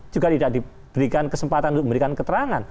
juga tidak diberikan kesempatan untuk memberikan keterangan